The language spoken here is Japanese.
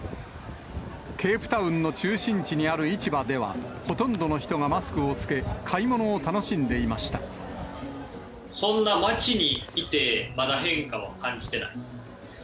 ケープタウンの中心地にある市場では、ほとんどの人がマスクを着け、こんな街にいて、まだ変化は感じてないです。